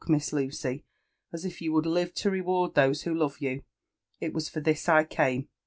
Miss Lucy, as if you would live to leward IbOM who love you^^it was for this I ^ame